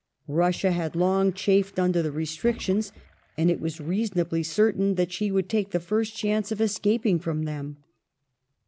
Russia had long chafed under the restrictions, and it was reasonably certain that she would take the first chance of escaping from them.